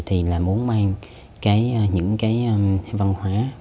thì là muốn mang những cái văn hóa